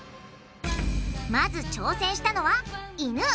まず挑戦したのはイヌ。